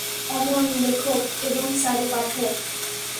অমল লেখক এবং চারু পাঠক।